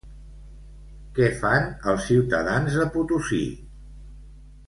Què fan els ciutadans de Potosí?